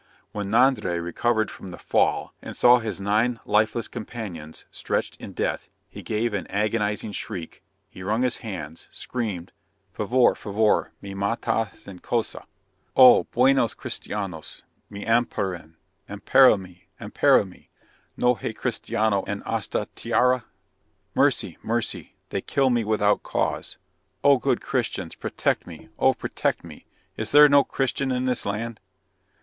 When Nondre recovered from the fall and saw his nine lifeless companions stretched in death, he gave an agonizing shriek; he wrung his hands, screamed "Favor, favor, me matan sin causa. O! buenos Christianos, me amparen, ampara me, ampara me, no hay Christiano en asta, tiara?" (Mercy, mercy, they kill me without cause. Oh, good Christians, protect me. Oh, protect me. Is there no Christian in this land?)